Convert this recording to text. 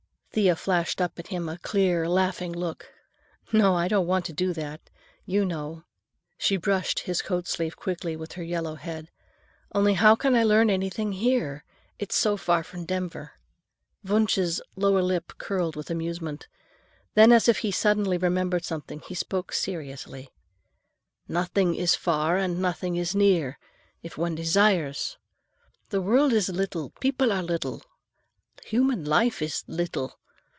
Thea flashed up at him a clear, laughing look. "No, I don't want to do that. You know," she brushed his coat sleeve quickly with her yellow head. "Only how can I learn anything here? It's so far from Denver." Wunsch's loose lower lip curled in amusement. Then, as if he suddenly remembered something, he spoke seriously. "Nothing is far and nothing is near, if one desires. The world is little, people are little, human life is little.